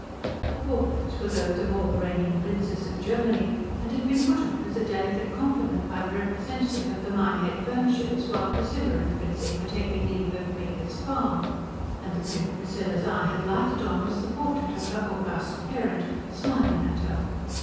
The portraits were those of all the reigning princes of Germany and had been put up as a delicate compliment by the representative of the Minehead furnishers, while Priscilla and Fritzing were taking leave of Baker's Farm; and the print Priscilla's eye had lighted on was the portrait of her august parent, smiling at her.